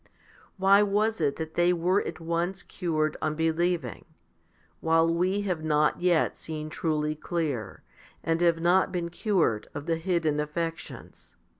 Why was it that they were at once cured on believing, while we have not yet seen truly clear, and have not been cured of the hidden affections?